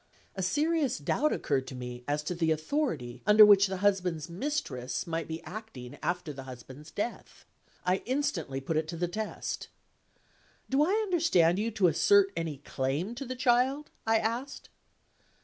A serious doubt occurred to me as to the authority under which the husband's mistress might be acting, after the husband's death. I instantly put it to the test. "Do I understand you to assert any claim to the child?" I asked.